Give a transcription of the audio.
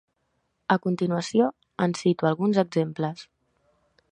A continuació, en cito alguns exemples.